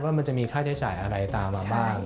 ว่ามันจะมีค่าใช้จ่ายอะไรตามมาบ้าง